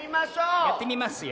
やってみますよ。